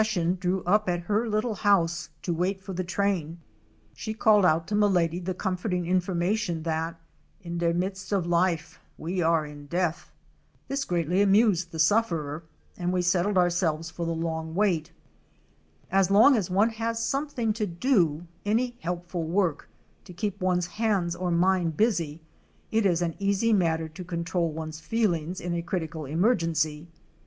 sion drew up at her little house to wait for the train she called out to Milady the comforting information that ''In der midst of life we are in death!' This greatly amused the sufferer, and we settled ourselves for the long wait. As long as one has something to do, any helpful work, to keep one's hands or mind busy, it is an easy matter to control one's feelings in a critical emergency.